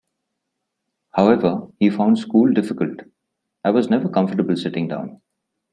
However, he found school difficult: "I was never comfortable sitting down.